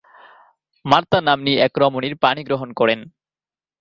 Martha নাম্নী এক রমণীর পাণিগ্রহণ করেন।